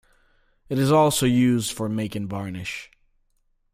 It is also used for making varnish.